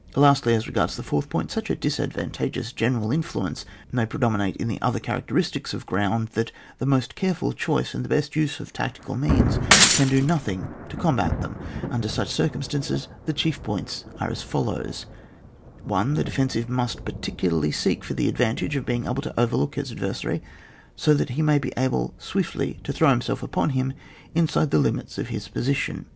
Lastly as regards the fourth point, such a disadvantageous general influence may predominate in the other characteristics of gpround, that the most careful choice, and the best use of tactical means, can do nothing to combat them. Under such circumstances the chief points are as follows : 1 . The def en si ve must particularly seek for the advantage of being able to over look his adversary, so that he may be able swiftly to throw himself upon him inside the limits of his position.